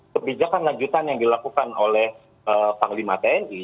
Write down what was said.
kebijakan lanjutan yang dilakukan oleh panglima tni